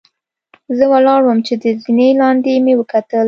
زۀ ولاړ ووم چې د زنې لاندې مې وکتل